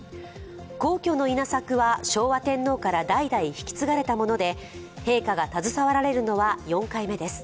皇居の稲作は昭和天皇から代々引き継がれたもので、陛下が携われるのは４回目です。